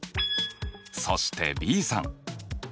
そしてＢさん。